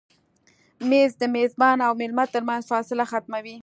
مېز د میزبان او مېلمه تر منځ فاصله ختموي.